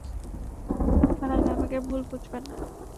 থালাইভা, আমাকে ভুল বুঝবেন না।